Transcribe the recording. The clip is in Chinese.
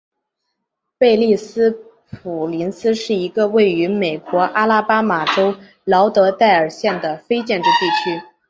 贝利斯普林斯是一个位于美国阿拉巴马州劳德代尔县的非建制地区。